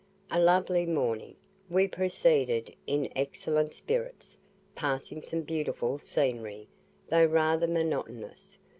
A lovely morning; we proceeded in excellent spirits, passing some beautiful scenery, though rather monotonous.